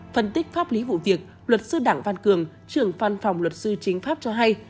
phân tích pháp lý vụ việc luật sư đảng văn cường trưởng phan phòng luật sư chính pháp cho hay